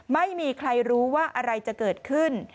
ไม่มีใครรู้ว่าอะไรจะเกิดขึ้น